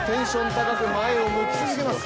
高く前を向き続けます。